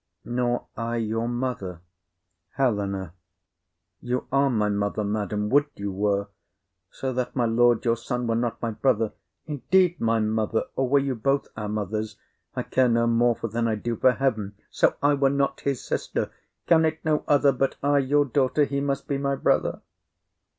Nor I your mother? HELENA. You are my mother, madam; would you were— So that my lord your son were not my brother,— Indeed my mother! or were you both our mothers, I care no more for than I do for heaven, So I were not his sister. Can't no other, But, I your daughter, he must be my brother?